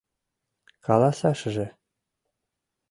— Каласашыже...